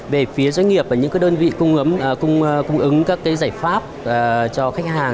về phía doanh nghiệp và những đơn vị cung ứng các giải pháp cho khách hàng